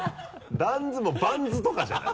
ダンズもう「ヴァンズ」とかじゃない。